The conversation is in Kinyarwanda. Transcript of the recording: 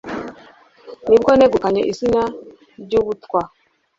ni bwo negukanye izina ryubutwal